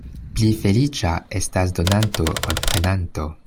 Pli feliĉa estas donanto ol prenanto.